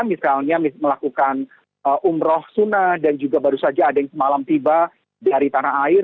misalnya melakukan umroh sunnah dan juga baru saja ada yang semalam tiba dari tanah air